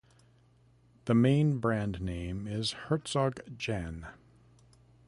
The main brand name is Hertog Jan.